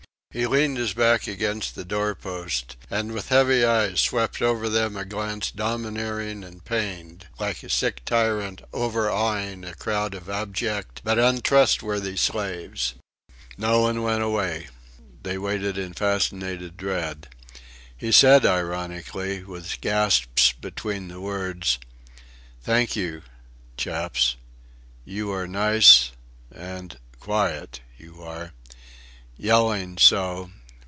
He leaned his back against the doorpost, and with heavy eyes swept over them a glance domineering and pained, like a sick tyrant overawing a crowd of abject but untrustworthy slaves. No one went away. They waited in fascinated dread. He said ironically, with gasps between the words: "Thank you... chaps. You... are nice... and... quiet... you are! Yelling so...